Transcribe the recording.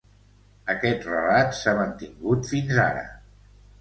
Aquest relat s’ha mantingut fins ara.